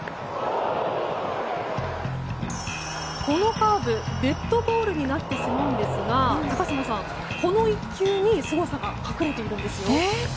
このカーブ、デッドボールになってしまうんですが高島さん、この１球にすごさが隠れているんですよ。